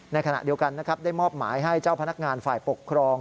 ในขณะเดียวกันนะครับได้มอบหมายให้เจ้าพนักงานฝ่ายปกครอง